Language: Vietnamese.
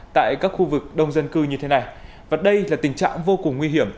tại các khu vực đông dân cư như thế này và đây là tình trạng vô cùng nguy hiểm